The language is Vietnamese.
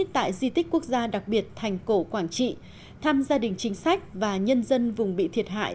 tại di tích quốc gia đặc biệt thành cổ quảng trị thăm gia đình chính sách và nhân dân vùng bị thiệt hại